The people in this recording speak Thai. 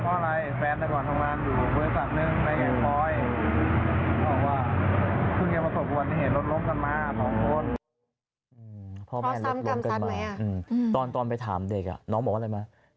ตกร้านเพราะอะไรแฟนแต่ก่อนตกร้านอยู่บริษัทหนึ่งในแข่งปลอย